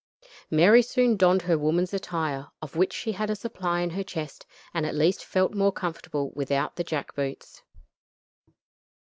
Mary soon donned her woman's attire, of which she had a supply in her chest, and at least felt more comfortable without the jack boots.